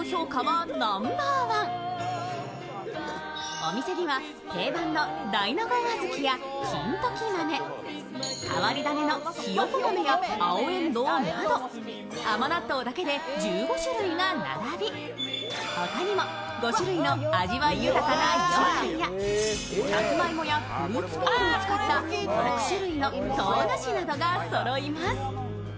お店には定番の大納言小豆や金時豆、変わり種のひよこ豆や青えんどうなど甘納豆だけで１５種類が並び他にも５種類の味わい豊かなようかんやさつまいもやフルーツピールを使った６種類の糖菓子などがそろいます。